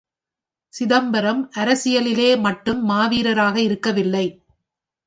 சிதம்பரம் அரசியலிலே மட்டும் மாவீரராக இருக்கவில்லை.